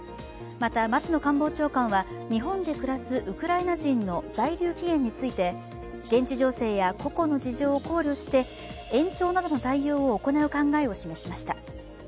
また松野官房長官は、日本で暮らすウクライナ人の在留期限について、現地情勢は個々の事情を考慮して延長などの対応を行う考えを示しました。